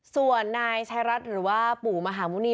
ส่วนนายชายรัฐหรือว่าปู่มหาหมุณี